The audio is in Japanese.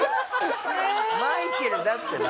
マイケルだってば。